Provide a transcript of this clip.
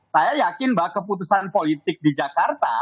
saya yakin bahwa keputusan politik di jakarta